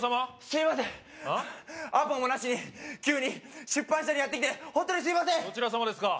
すいませんアポもなしに急に出版社にやってきてホントにすいませんどちらさまですか？